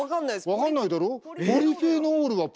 分かんないだろ？